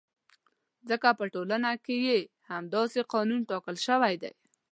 ځکه په ټولنه کې یې همداسې قانون ټاکل شوی دی.